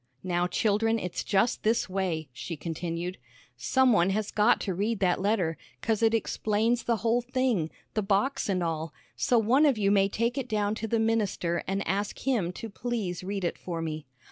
"Now, children, it's just this way," she continued, "some one has got to read that letter, 'cause it explains th' whole thing, th' box an' all, so one of you may take it down to the minister an' ask him to please read it for me."